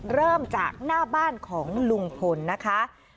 เริ่มจากหน้าบ้านของลุงพลนะคะ